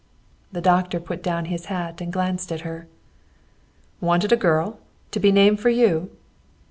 The doctor put down his hat and glanced at her. "Wanted a girl, to be named for you?"